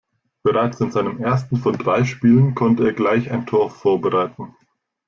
Bereits in seinem ersten von drei Spielen konnte er gleich ein Tor vorbereiten.